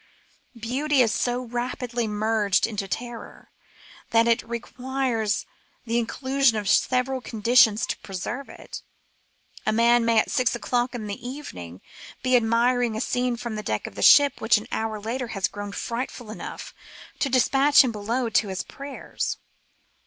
Beauty is so rapidly merged into terror, that it requires the inclu sion of several conditions to preserve it. A man may at six o'clock in the evening be admiring a scene from the deck of a ship which an hour later has grown frightful enough to despatch him below to his prayers. 182 CALMS AND SEAS.